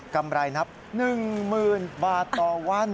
ำไรนับ๑๐๐๐บาทต่อวัน